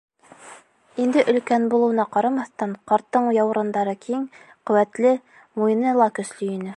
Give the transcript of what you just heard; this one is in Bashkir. Инде өлкән булыуына ҡарамаҫтан, ҡарттың яурындары киң, ҡеүәтле, муйыны ла көслө ине.